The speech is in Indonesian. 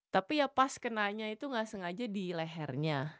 tapi ya pas kenanya itu gak sengaja di lehernya